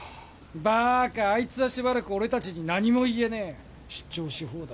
バーカあいつはしばらく俺たちに何も言えねえ出張し放題